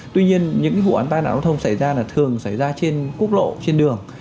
tuy nhiên những vụ án tai nạn giao thông xảy ra là thường xảy ra trên quốc lộ trên đường